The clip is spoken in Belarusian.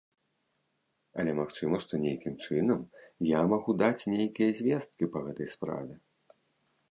Але магчыма, што нейкім чынам я магу даць нейкія звесткі па гэтай справе.